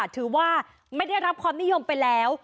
ถือว่าไม่ได้รับความนิยมไปแล้ว